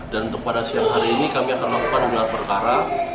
dan untuk pada siang hari ini kami akan melakukan melalui perkara